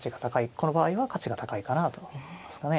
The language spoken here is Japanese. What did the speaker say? この場合は価値が高いかなとは思いますかね。